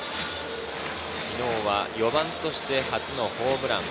昨日は４番として初のホームラン。